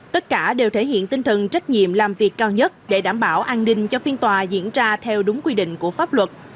tất cả đều thể hiện tinh thần trách nhiệm làm việc cao nhất để đảm bảo an ninh cho phiên tòa diễn ra theo đúng quy định của pháp luật